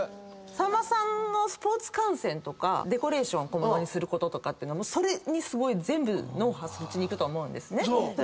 さんまさんのスポーツ観戦とかデコレーション小物にすることとかもそれにすごい全部脳波そっちにいくと思うんですね。